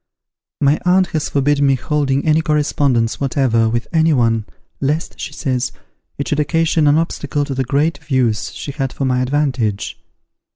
My aunt has forbid me holding any correspondence whatever, with any one, lest, she says, it should occasion an obstacle to the great views she has for my advantage.